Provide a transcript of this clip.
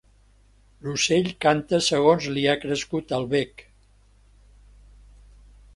L'ocell canta segons li ha crescut el bec.